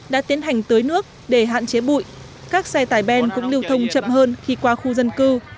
đã tiến hành tưới nước để hạn chế bụi các xe tải ben cũng lưu thông chậm hơn khi qua khu dân cư